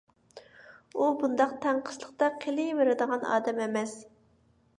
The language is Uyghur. ئۇ بۇنداق تەڭقىسلىقتا قېلىۋېرىدىغان ئادەم ئەمەس.